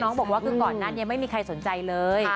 บอกว่าคือก่อนนั้นยังไม่มีใครสนใจเลย